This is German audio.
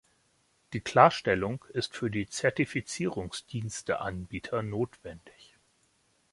Die Klarstellung ist für die Zertifizierungsdiensteanbieter notwendig.